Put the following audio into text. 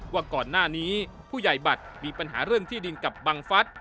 ว่าก่อนหน้านี้ผู้ใหญ่บัตรมีปัญหาเรื่องที่ดินกับบังฟัฐ